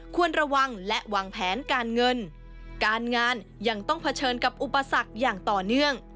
ควรระวังและวางแผนการเงินการงานยังต้องเผชิญกับอุปสรรคอย่างต่อเนื่อง